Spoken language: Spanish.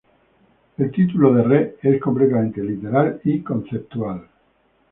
El título de "Re" es completamente literal y conceptual.